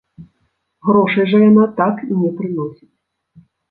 Грошай жа яна так і не прыносіць!